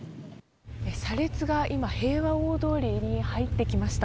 車列が今、平和大通りに入ってきました。